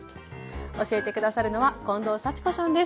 教えて下さるのは近藤幸子さんです。